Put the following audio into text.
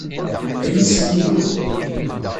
Ayis-nni inu.